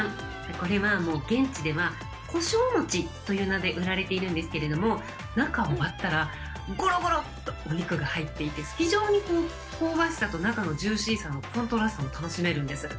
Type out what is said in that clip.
これはもう現地では、こしょう餅という名で売られているんですけれども、中を割ったらごろごろっとお肉が入っていて、非常に香ばしさと中のジューシーさのコントラストが楽しめるんです。